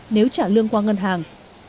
nếu trả lương qua ngân hàng